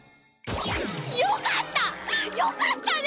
よかった！よかったね！